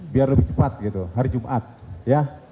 biar lebih cepat gitu hari jumat ya